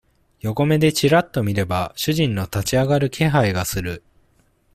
横目でちらっと見れば、主人の立ち上がる気配がする。